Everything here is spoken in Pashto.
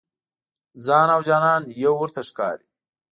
ځان او جانان یو ورته ښکاري.